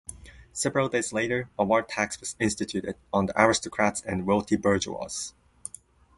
Several days later, a war tax was instituted on the aristocrats and wealthy bourgeois.